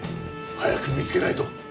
早く見つけないと。